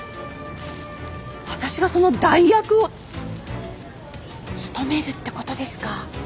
私がその代役を務めるってことですか？